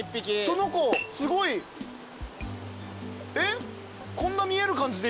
その子すごいえっ？